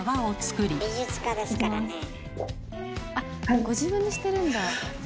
あっご自分でしてるんだ。